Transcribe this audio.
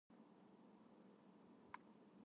来週ディズニーに行く予定です